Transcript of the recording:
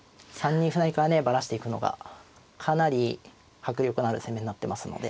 ３二歩成からねバラしていくのがかなり迫力のある攻めになってますので。